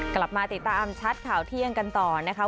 กลับมาติดตามชัดข่าวเที่ยงกันต่อนะคะ